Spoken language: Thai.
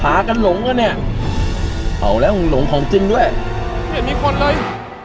พากันหลงกันเนี่ยเผาแล้วมึงหลงของจริงด้วยไม่เห็นมีคนเลย